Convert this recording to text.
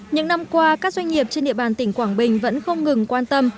những năm qua các doanh nghiệp trên địa bàn tỉnh quảng bình vẫn không ngừng quan tâm